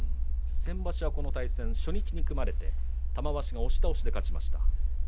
先場所はこの対戦初日に組まれて玉鷲が押し倒して勝ちました。